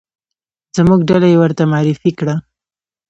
زموږ ډله یې ورته معرفي کړه.